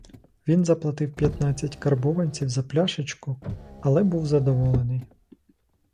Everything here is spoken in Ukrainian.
Він заплатив п'ятнадцять карбованців за пляшечку, але був задоволений.